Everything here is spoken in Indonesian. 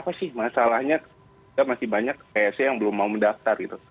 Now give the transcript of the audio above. apa sih masalahnya masih banyak psc yang belum mau mendaftar gitu